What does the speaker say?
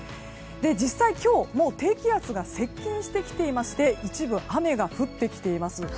実際、今日低気圧が接近してきていまして一部、雨が降ってきています。